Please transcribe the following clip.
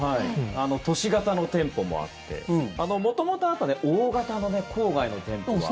都市型の店舗もあって元々あった大型の郊外の店舗が。